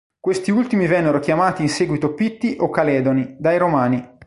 Questi ultimi vennero chiamati in seguito Pitti o Caledoni dai Romani.